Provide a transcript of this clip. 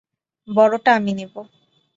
বড়টা আমি নেবো।